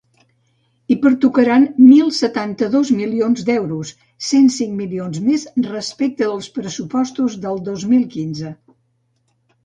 Hi pertocaran mil setanta-dos milions d’euros, cent cinc milions més respecte dels pressupostos del dos mil quinze.